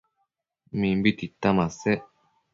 Mimbi tita masec